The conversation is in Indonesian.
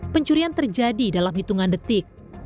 pencurian terjadi dalam hitungan detik